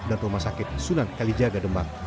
dan rumah sakit sunan kalijaga demak